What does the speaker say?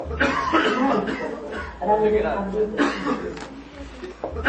Maikoko raɨre abɨdo billesa